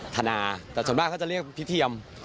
ธนาแต่ส่วนมากเขาจะเรียกพี่เทียม